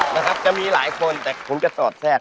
นะครับจะมีหลายคนแต่ผมจะสอดแทรก